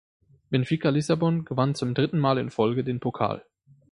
Benfica Lissabon gewann zum dritten Mal in Folge den Pokal.